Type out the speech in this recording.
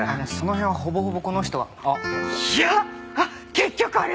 結局あれだ！